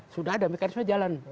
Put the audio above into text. sudah ada mekanisme jalan